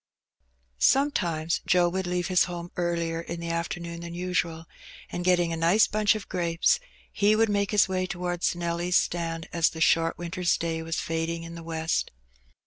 Sometimes Joe would leave his home earlier in the after« noon than usual, and getting a nice bunch of grapes, he would make his way towards Nelly's stand as the short winter's day was fading in the west.